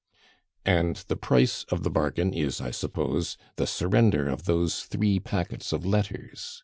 "And the price of the bargain is, I suppose, the surrender of those three packets of letters?"